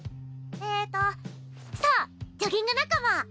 えっとそうジョギング仲間！